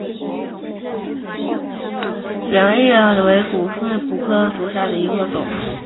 镰叶肾蕨为骨碎补科肾蕨属下的一个种。